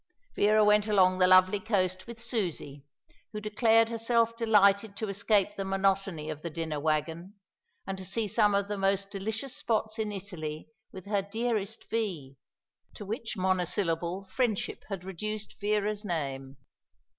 Vera went along the lovely coast with Susie, who declared herself delighted to escape the monotony of the dinner wagon, and to see some of the most delicious spots in Italy with her dearest Vee, to which monosyllable friendship had reduced Vera's name.